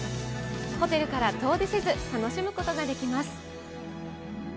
ホテルから遠出せず、楽しむことができます。